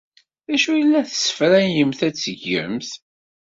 D acu ay la tessefrayemt ad t-tgemt?